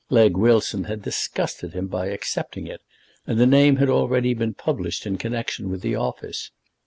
Legge Wilson had disgusted him by accepting it, and the name had already been published in connection with the office.